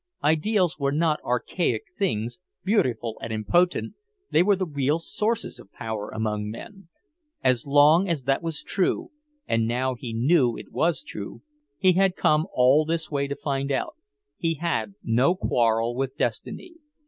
Ideals were not archaic things, beautiful and impotent; they were the real sources of power among men. As long as that was true, and now he knew it was true he had come all this way to find out he had no quarrel with Destiny.